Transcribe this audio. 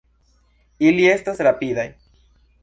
Ili estas rapidaj.